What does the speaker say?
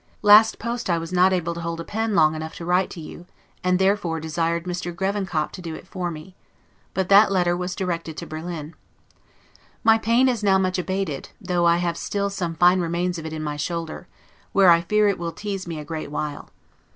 Last post I was not able to hold a pen long enough to write to you, and therefore desired Mr. Grevenkop to do it for me; but that letter was directed to Berlin. My pain is now much abated, though I have still some fine remains of it in my shoulder, where I fear it will tease me a great while.